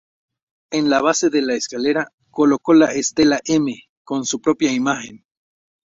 En la base de la escalera, colocó la Estela M, con su propia imagen.